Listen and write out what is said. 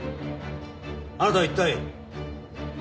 あなたは一体。